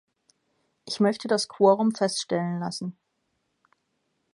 Ich möchte das Quorum feststellen lassen.